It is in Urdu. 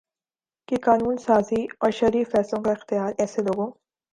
کہ قانون سازی اور شرعی فیصلوں کا اختیار ایسے لوگوں